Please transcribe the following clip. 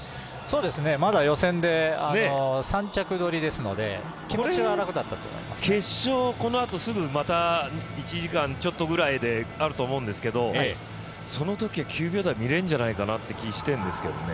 まだ予選で３着どりですので決勝、このあとすぐ１時間くらいであると思うんですがそのとき、９秒台見れるんじゃないかって気がしてるんですけど。